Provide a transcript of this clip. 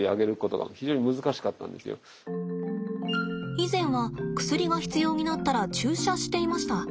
以前は薬が必要になったら注射していました。